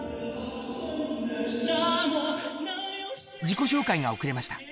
自己紹介が遅れました。